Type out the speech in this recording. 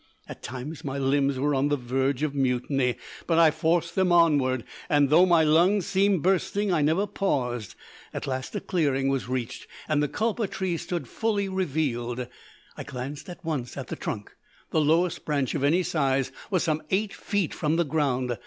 At times my limbs were on the verge of mutiny, but I forced them onward, and though my lungs seemed bursting, I never paused. At last a clearing was reached and the kulpa tree stood fully revealed. I glanced at once at the trunk. The lowest branch of any size was some eight feet from the ground.